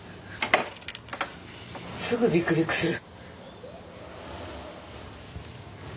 すぐビクビクする。